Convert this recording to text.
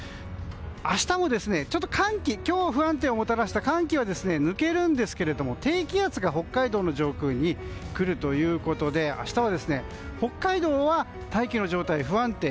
明日も今日不安定をもたらした乾季が抜けるんですけれども低気圧が北海道の上空に来るということで明日は北海道は大気の状態が不安定。